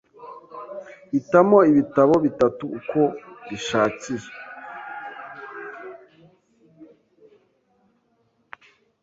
Hitamo ibitabo bitatu uko bishakiye.